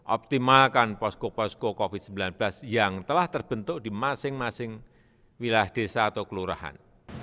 optimalkan posko posko covid sembilan belas yang telah terbentuk di masing masing wilayah desa atau kelurahan